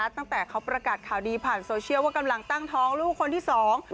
ตั้งแต่เขาประกาศข่าวดีผ่านโซเชียลว่ากำลังตั้งท้องลูกคนที่สอง